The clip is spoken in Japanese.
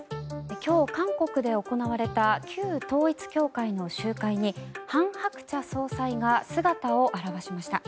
今日、韓国で行われた旧統一教会の集会にハン・ハクチャ総裁が姿を現しました。